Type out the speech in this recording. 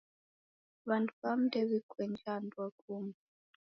Wandu wamu ndew'ikuenjaa andu kungi.